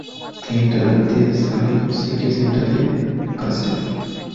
Theatre দে Salem city সেন্টারের কাছে।